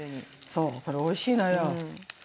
そうこれおいしいのよ。